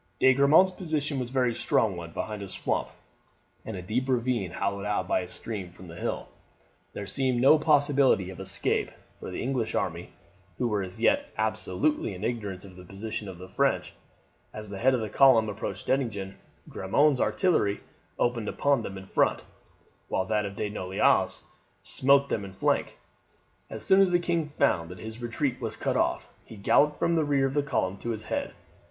De Grammont's position was a very strong one behind a swamp and a deep ravine hollowed out by a stream from the hill. There seemed no possibility of escape for the English army, who were as yet absolutely in ignorance of the position of the French. As the head of the column approached Dettingen, Grammont's artillery opened upon them in front, while that of De Noailles smote them in flank. As soon as the king found that his retreat was cut off he galloped from the rear of the column to its head.